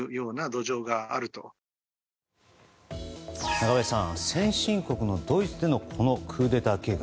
中林さん先進国のドイツでのこのクーデター計画。